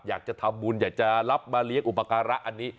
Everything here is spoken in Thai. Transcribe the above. อยากจะทำบุญอยากจะรับมาเลี้ยงอุปการะอันนี้